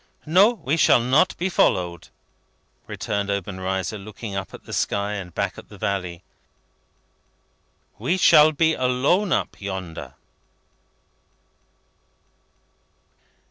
"No; we shall not be followed," returned Obenreizer, looking up at the sky and back at the valley. "We shall be alone up yonder."